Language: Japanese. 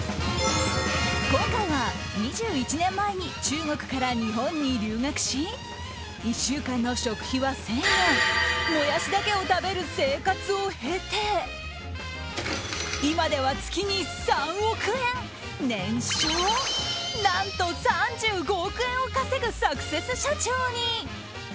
今回は２１年前に中国から日本に留学し１週間の食費は１０００円モヤシだけを食べる生活を経て今では月に３億円年商何と３５億円を稼ぐサクセス社長に。